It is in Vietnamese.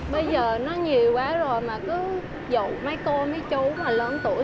bây giờ nó nhiều quá rồi mà cứ dụ mấy cô mấy chú mà lớn tuổi